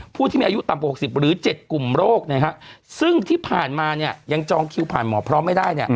ผู้ที่มีอายุต่ำกว่า๖๐หรือ๗กลุ่มโรคซึ่งที่ผ่านมายังจองคิวผ่านหมอพร้อมไม่ได้